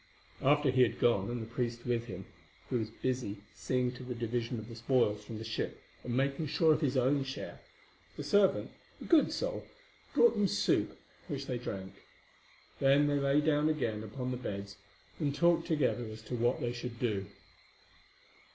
After he had gone, and the priest with him, who was busy seeing to the division of the spoils from the ship and making sure of his own share, the servant, a good soul, brought them soup, which they drank. Then they lay down again upon the beds and talked together as to what they should do.